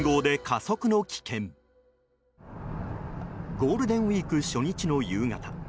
ゴールデンウィーク初日の夕方。